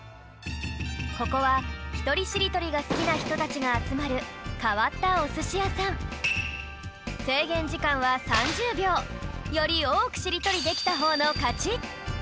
ここはひとりしりとりがすきなひとたちがあつまるかわったおすしやさんよりおおくしりとりできたほうのかち！